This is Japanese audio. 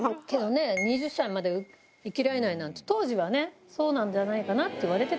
けどね、２０歳まで生きられないなんて、当時はね、そうなんじゃないかなそうそう。